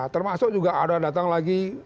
termasuk juga ada datang lagi